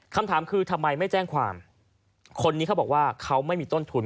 คำถามคือทำไมไม่แจ้งความคนนี้เขาบอกว่าเขาไม่มีต้นทุน